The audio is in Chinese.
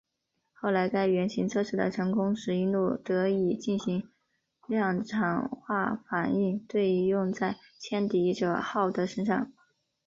后来该原型测试的成功使印度得以进行量产化反应堆以用在歼敌者号的身上。